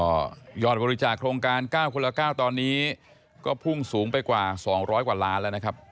ก็ยอดบริจาคโครงการ๙คนละ๙ตอนนี้ก็พุ่งสูงไปกว่า๒๐๐กว่าล้านแล้วนะครับ